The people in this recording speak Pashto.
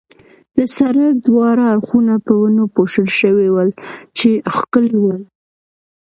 د سړک دواړه اړخونه په ونو پوښل شوي ول، چې ښکلي ول.